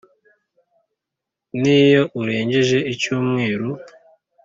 n’iyo urengeje icyumweru